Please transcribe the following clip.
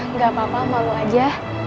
nggak apa apa malu aja